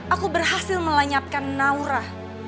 aku berhasil melenyapkan naura